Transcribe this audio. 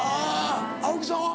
青木さんは？